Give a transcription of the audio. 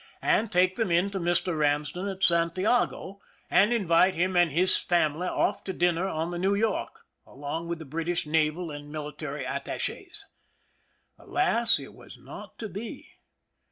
and take them in to Mr, Ramsden at Santiago, and invite him and his family off to dinner on the New York, along with the British naval and military attaches. Alas ! it was not to be.